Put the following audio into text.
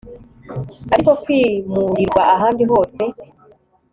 ariko kwimurirwa ahandi hose